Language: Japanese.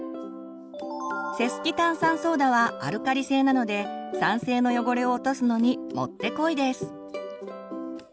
セスキ炭酸ソーダはアルカリ性なので酸性の汚れを落とすのにもってこいです！